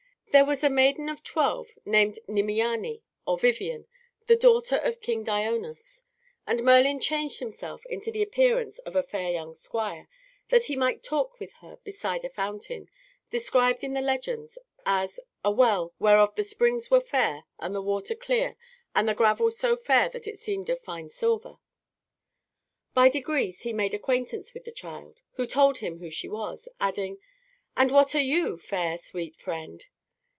There was a maiden of twelve named Nimiane or Vivian, the daughter of King Dionas, and Merlin changed himself into the appearance of "a fair young squire," that he might talk with her beside a fountain, described in the legends as "a well, whereof the springs were fair and the water clear and the gravel so fair that it seemed of fine silver." By degrees he made acquaintance with the child, who told him who she was, adding, "And what are you, fair, sweet friend?"